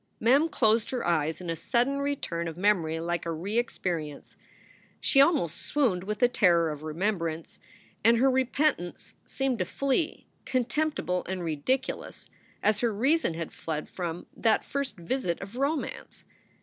Mem closed her eyes in a sudden return of memory like a re experience. She almost swooned with a terror of remem brance, and her repentance seemed to flee, contemptible and ridiculous, as her reason had fled from that first visit of romance.